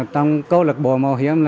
trong câu lực bộ máu hiếm